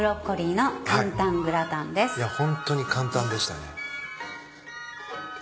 いやホントに簡単でしたね。